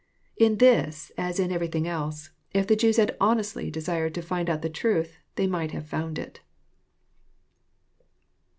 In this, as in everything else, if the \ Jews had honestly desired to find out the truth, they might have found it.